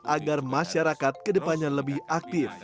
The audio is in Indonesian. agar masyarakat kedepannya lebih aktif